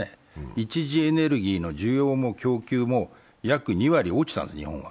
一次エネルギーの需要も供給も約２割落ちたんです、日本は。